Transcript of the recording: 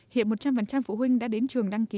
hiện một trăm linh phụ huynh đã đến trường đăng ký